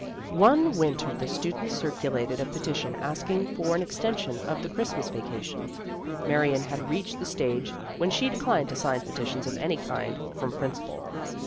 One winter the students circulated a peti tion asking for an extension of the Christ The Career of a Radical 1 1 1 mas vacation. Marion had reached the stage when she declined to sign petitions of any kind from principle.